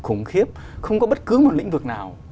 khủng khiếp không có bất cứ một lĩnh vực nào